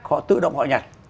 họ tự động họ nhặt